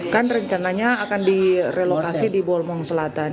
kan rencananya akan direlokasi di bolmong selatan